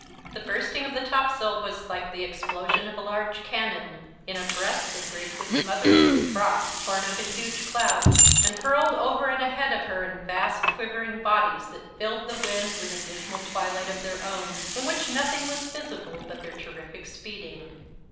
The bursting of the topsail was like the explosion of a large cannon. In a breath the brig was smothered with froth torn up in huge clouds, and hurled over and ahead of her in vast quivering bodies that filled the wind with a dismal twilight of their own, in which nothing was visible but their terrific speeding.